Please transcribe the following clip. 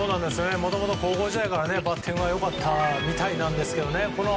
もともと高校時代からバッティングは良かったみたいなんですけどね。